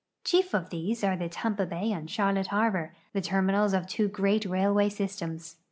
Chief of these are Tampa bay and Charlotte harbor, the terminals of two great railway systems.